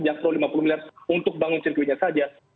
jangan perlu rp lima puluh miliar untuk bangun sirkuitnya saja